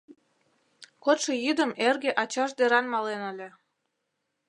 Кодшо йӱдым эрге ачаж деран мален ыле.